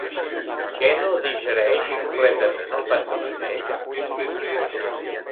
Què no digereix completament el panda vermell?